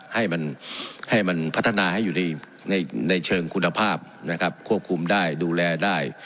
ให้มันพัฒนาให้อยู่ในเชิงคุณภาพควบคุมได้ดูแลได้